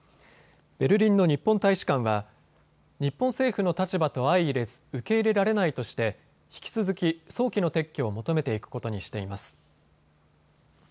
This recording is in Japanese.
ベルリンの日本大使館は日本政府の立場と相いれず受け入れられないとして引き続き早期の撤去を求めていくことにしています。